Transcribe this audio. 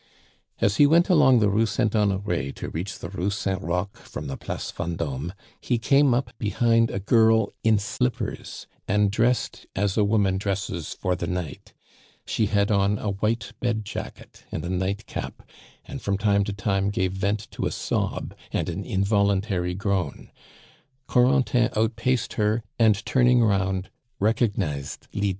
As he went along the Rue Saint Honore to reach the Rue Saint Roch from the Place Vendome, he came up behind a girl in slippers, and dressed as a woman dresses for the night. She had on a white bed jacket and a nightcap, and from time to time gave vent to a sob and an involuntary groan. Corentin out paced her, and turning round, recognized Lydie.